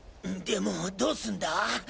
でもどうすんだ？